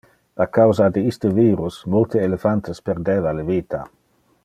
A causa de iste virus, multe elephantes perdeva le vita.